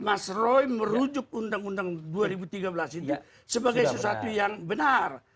mas roy merujuk undang undang dua ribu tiga belas itu sebagai sesuatu yang benar